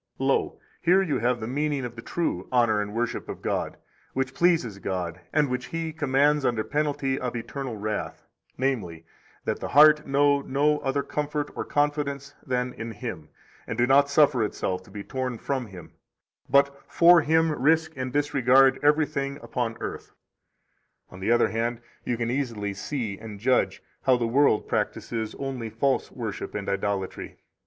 16 Lo, here you have the meaning of the true honor and worship of God, which pleases God, and which He commands under penalty of eternal wrath, namely, that the heart know no other comfort or confidence than in Him, and do not suffer itself to be torn from Him, but, for Him, risk and disregard everything upon earth. 17 On the other hand, you can easily see and judge how the world practises only false worship and idolatry.